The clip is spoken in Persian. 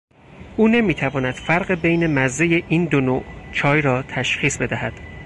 او نمیتواند فرق بین مزهی این دو نوع چای را تشخیص بدهد.